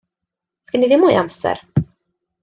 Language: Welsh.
Sgin i ddim mwy o amser.